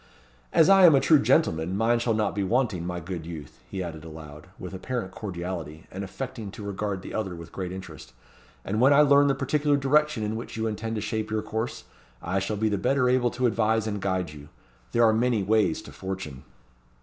As I am a true gentleman, mine shall not be wanting, my good youth," he added aloud, with apparent cordiality, and affecting to regard the other with great interest; "and when I learn the particular direction in which you intend to shape your course, I shall be the better able to advise and guide you. There are many ways to fortune."